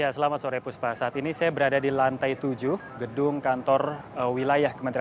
selamat sore puspa saat ini saya berada di lantai tujuh gedung kantor wilayah kementerian